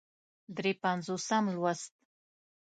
درې پينځوسم لوست